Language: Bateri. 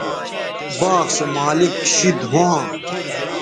باغ سو مالک شید ھواں